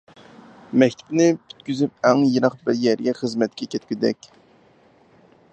مەكتىپىنى پۈتكۈزۈپ ئەڭ يىراق بىر يەرگە خىزمەتكە كەتكۈدەك.